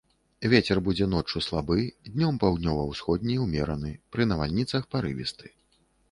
Вецер будзе ноччу слабы, днём паўднёва-ўсходні, умераны, пры навальніцах парывісты.